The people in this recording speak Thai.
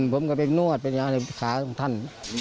ผมก็ไปนวดขาของท่าน